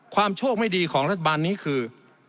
โชคไม่ดีของรัฐบาลนี้คือ